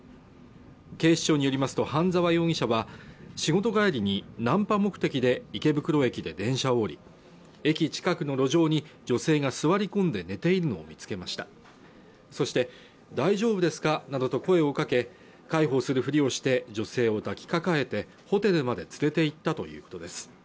警視庁によりますと半沢容疑者は仕事帰りにナンパ目的で池袋駅で電車を降り駅近くの路上に女性が座り込んで寝ているのを見つけましたそして大丈夫ですかなどと声を掛け介抱するふりをして女性を抱きかかえてホテルまで連れていったということです